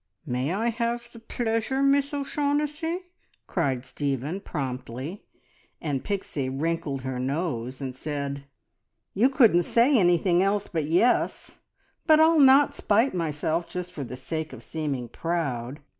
"May I have the pleasure, Miss O'Shaughnessy?" cried Stephen promptly, and Pixie wrinkled her nose and said "You couldn't say anything else but yes, but I'll not spite myself just for the sake of seeming proud.